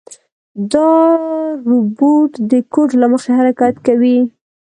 دا روبوټ د کوډ له مخې حرکت کوي.